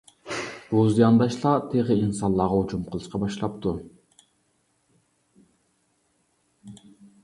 بۇ زىيانداشلار تېخى ئىنسانلارغا ھۇجۇم قىلىشقا باشلاپتۇ.